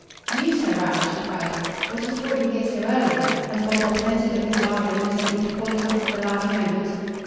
"You, Sir Ralph?" she cried. "What has brought you here so early? Has Bob repented of his bargain and sent you to call it off at the last moment?"